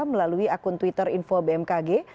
melalui akun twitter info bmkg